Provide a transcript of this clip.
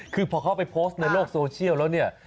คือพอเขาไปโพสต์ในโลกโซเชียลแล้วเนี่ย